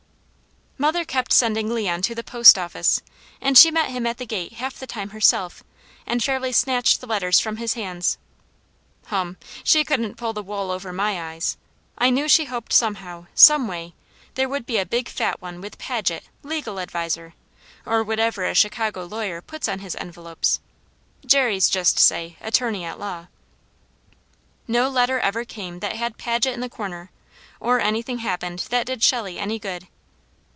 Mother kept sending Leon to the post office, and she met him at the gate half the time herself and fairly snatched the letters from his hands. Hum! She couldn't pull the wool over my eyes. I knew she hoped somehow, some way, there would be a big fat one with Paget, Legal Adviser, or whatever a Chicago lawyer puts on his envelopes. Jerry's just say: "Attorney at Law." No letter ever came that had Paget in the corner, or anything happened that did Shelley any good.